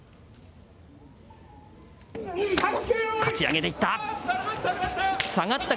かち上げでいった。